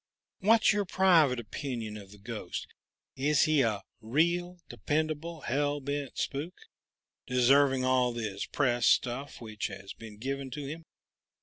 What's your private opinion of this ghost? Is he a real, dependable, hell bent spook, deserving all this press stuff which has been given to him?